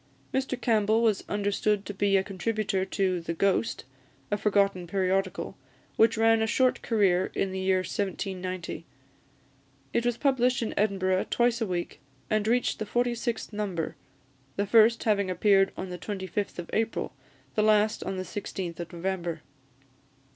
Mr Campbell was understood to be a contributor to The Ghost, a forgotten periodical, which ran a short career in the year 1790. It was published in Edinburgh twice a week, and reached the forty sixth number; the first having appeared on the 25th of April, the last on the 16th of November.